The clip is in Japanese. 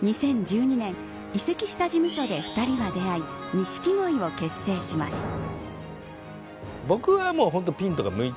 ２０１２年移籍した事務所で２人は出会い錦鯉を結成します。